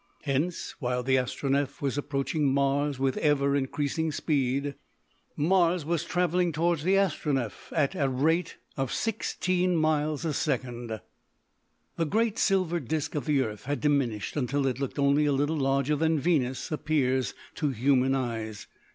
Hence, while the Astronef was approaching Mars with ever increasing speed, Mars was travelling towards the Astronef at the rate of sixteen miles a second. The great silver disc of the earth had diminished until it looked only a little larger than Venus appears to human eyes.